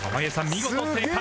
見事正解！